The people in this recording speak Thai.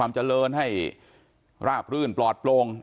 แล้วอันนี้ก็เปิดแล้ว